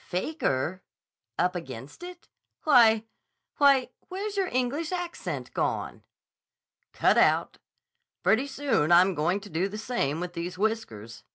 "'Faker'? 'Up against it'? Why—why, where's your English accent gone?" "Cut out. Pretty soon I'm going to do the same with these whiskers.